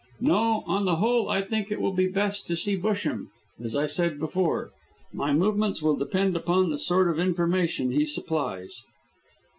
No; on the whole I think it will be best to see Busham, as I said before. My movements will depend upon the sort of information he supplies."